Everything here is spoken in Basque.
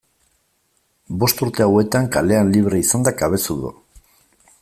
Bost urte hauetan kalean libre izan da Cabezudo.